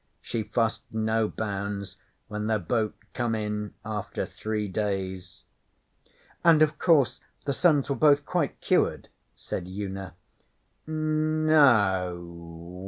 She fussed, no bounds, when their boat come in after three days.' 'And, of course, the sons were both quite cured?' said Una. 'No o.